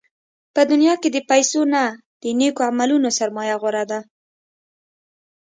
په دنیا کې د پیسو نه، د نېکو عملونو سرمایه غوره ده.